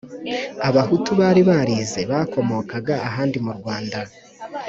abahutu bari barize bakomokaga ahandi mu rwanda